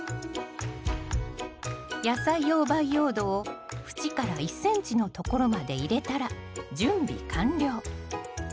野菜用培養土を縁から１ｃｍのところまで入れたら準備完了。